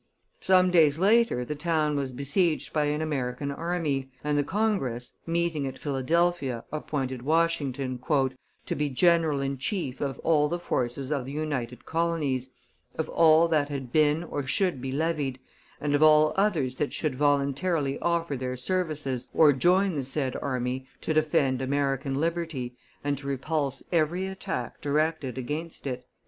Some few days later the town was besieged by an American army, and the Congress, meeting at Philadelphia, appointed Washington "to be general in chief of all the forces of the united colonies, of all that had been or should be levied, and of all others that should voluntarily offer their services or join the said army to defend American liberty and to repulse every attack directed against it."